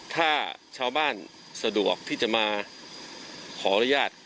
ถ้าชาวบ้านสะดวกที่จะมาขออนุญาต